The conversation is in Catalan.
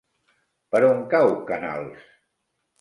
Per on cau Canals?